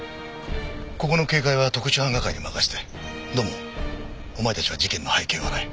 ここの警戒は特殊犯係に任せて土門お前たちは事件の背景を洗え。